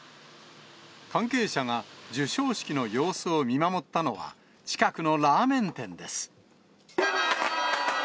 関係者が授賞式の様子を見守ったのは、近くのラーメン店です。